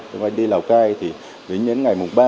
nếu anh đi lào cai thì đến những ngày mùng ba